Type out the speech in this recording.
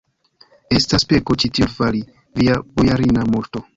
estas peko ĉi tion fari, via bojarina moŝto!